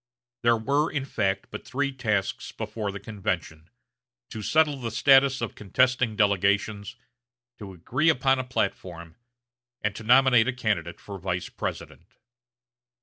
There were, in fact, but three tasks before the convention to settle the status of contesting delegations, to agree upon a platform, and to nominate a candidate for Vice President.